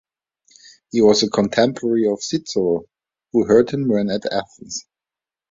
He was a contemporary of Cicero, who heard him when at Athens.